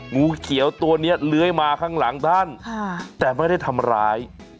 งูเขียวตัวนี้เลื้อยมาข้างหลังท่านแต่ไม่ได้ทำร้าย